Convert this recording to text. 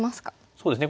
そうですね